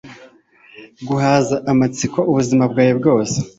Guhaza amatsiko ubuzima bwawe bwose